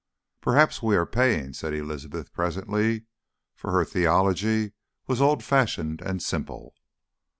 "Perhaps we are paying," said Elizabeth presently for her theology was old fashioned and simple.